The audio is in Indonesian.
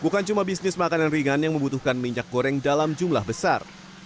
bukan cuma bisnis makanan ringan yang membutuhkan minyak goreng dalam jumlah besar